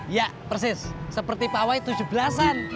ya persis seperti pawai tujubelasan